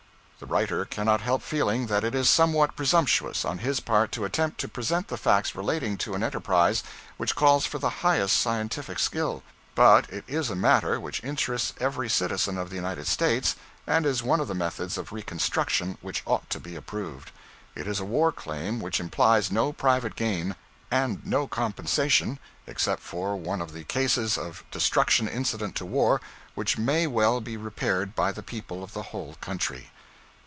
The writer cannot help feeling that it is somewhat presumptuous on his part to attempt to present the facts relating to an enterprise which calls for the highest scientific skill; but it is a matter which interests every citizen of the United States, and is one of the methods of reconstruction which ought to be approved. It is a war claim which implies no private gain, and no compensation except for one of the cases of destruction incident to war, which may well be repaired by the people of the whole country.